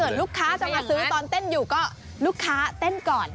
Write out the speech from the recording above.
ลูกค้าจะมาซื้อตอนเต้นอยู่ก็ลูกค้าเต้นก่อน